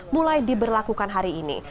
mulai diberlakukan hari ini